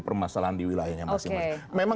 permasalahan di wilayahnya masing masing memang